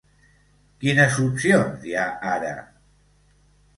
Quines opcions hi ha ara?